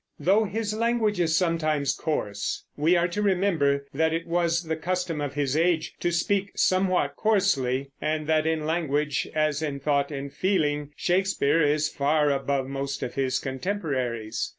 Though his language is sometimes coarse, we are to remember that it was the custom of his age to speak somewhat coarsely, and that in language, as in thought and feeling, Shakespeare is far above most of his contemporaries.